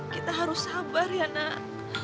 kita harus sabar ya nak